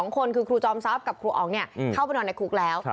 ๒คนคือครูจอมทรัพย์กับครูอ๋องเข้าไปนอนในคุกแล้ว